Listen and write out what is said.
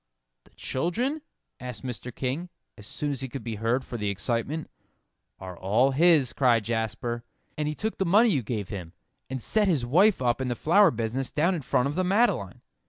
"The children?" asked Mr. King, as soon as he could be heard for the excitement. "Are all his," cried Jasper, "and he took the money you gave him, and set his wife up in the flower business down in front of the Madeleine.